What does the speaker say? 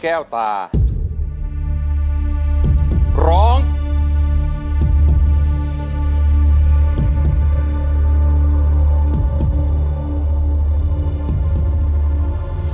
ที่บอกใจยังไง